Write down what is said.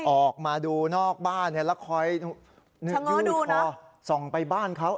ออกมาดูนอกบ้านเนี่ยแล้วคอยนึกยืดทอส่องไปบ้านเขา